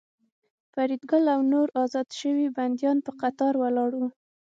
فریدګل او نور ازاد شوي بندیان په قطار ولاړ وو